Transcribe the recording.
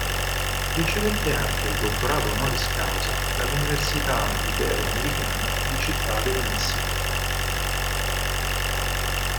Ricevette anche il dottorato "honoris causa" dall'Università Iberoamericana di Città del Messico.